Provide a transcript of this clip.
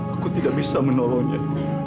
aku tidak bisa menolongnya